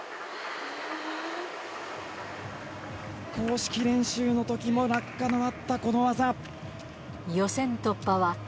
公式練習の時も落下のあったこの技。